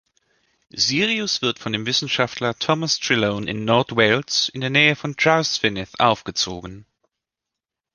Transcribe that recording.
Sirius wird von dem Wissenschaftler Thomas Trelone in Nordwales, in der Nähe von Trawsfynydd, aufgezogen.